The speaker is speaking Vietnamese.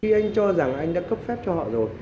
khi anh cho rằng anh đã cấp phép cho họ rồi